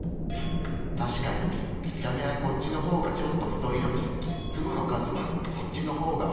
確かに見た目はこっちの方がちょっと太いのに粒の数はこっちの方が多い。